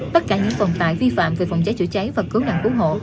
tất cả những phòng tài vi phạm về phòng cháy chữa cháy và cú nạn cú hộ